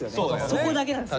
そこだけなんですよ